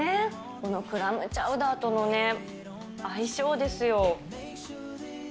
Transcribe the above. このクラムチャウダーとの相性ですよ。